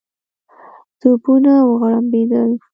توپونه وغړومبېدل.